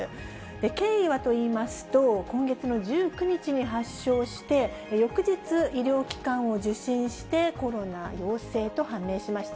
経緯はといいますと、今月の１９日に発症して、翌日、医療機関を受診して、コロナ陽性と判明しました。